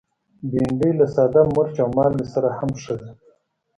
بېنډۍ له ساده مرچ او مالګه سره هم ښه ده